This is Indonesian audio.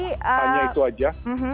hanya itu saja